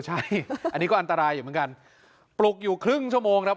ใช่อันนี้ก็อันตรายอยู่เหมือนกันปลุกอยู่ครึ่งชั่วโมงครับ